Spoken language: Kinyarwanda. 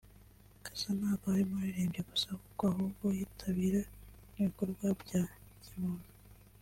Cassa ntago ari umuririmbyi gusa kuko ahubwo yitabira n’ibikorwa bya kimuntu